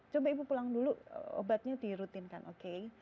coba ibu pulang dulu obatnya dirutinkan oke